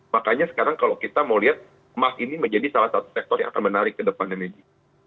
makanya sekarang kalau kita mau lihat emas ini menjadi salah satu sektor yang akan menarik ke depan energi